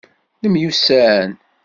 Nemyussan?